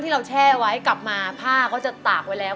เราแช่ไว้กลับมาผ้าก็จะตากไว้แล้ว